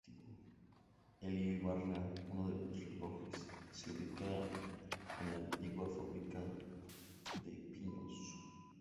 En Ibarra uno de los relojes se ubica en la antigua fábrica de pianos.